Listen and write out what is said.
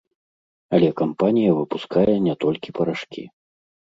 Але кампанія выпускае не толькі парашкі.